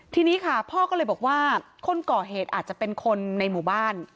ทีนี้ค่ะพ่อก็เลยบอกว่าคนก่อเหตุอาจจะเป็นคนในหมู่บ้าน